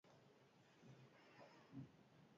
Benetako proposamenak izan ziren.